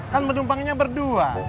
kan menumpangnya berdua